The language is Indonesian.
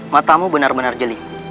matamu benar benar jeli